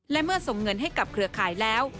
และเมื่อส่งเงินให้กับเครือข่ายแล้ว